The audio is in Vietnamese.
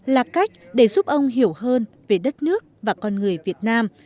là cách để giúp ông hiểu hơn về đất nước và con người việt nam